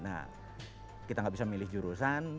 nah kita gak bisa milih jurusan